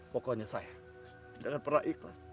pokoknya saya tidak akan pernah ikhlas